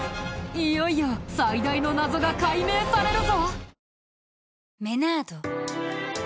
いよいよ最大の謎が解明されるぞ！